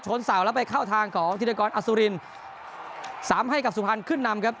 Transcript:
ชนเสาแล้วไปเข้าทางของที่นักกรอสุรินสามให้กับสุภัณฑ์ขึ้นนำครับ